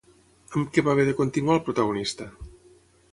Amb què va haver de continuar el protagonista?